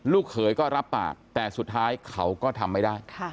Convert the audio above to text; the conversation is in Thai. เขยก็รับปากแต่สุดท้ายเขาก็ทำไม่ได้